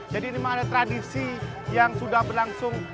jadi ini memang ada tradisi yang sudah berlangsung